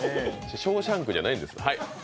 「ショーシャンク」じゃないんです。